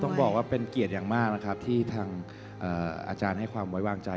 ต้องบอกว่าเป็นเกียรติอย่างมากนะครับที่ทางอาจารย์ให้ความไว้วางใจ